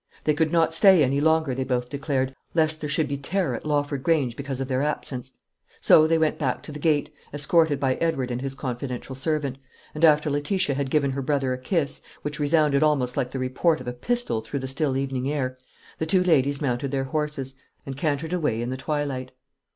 They could not stay any longer, they both declared, lest there should be terror at Lawford Grange because of their absence. So they went back to the gate, escorted by Edward and his confidential servant; and after Letitia had given her brother a kiss, which resounded almost like the report of a pistol through the still evening air, the two ladies mounted their horses, and cantered away in the twilight.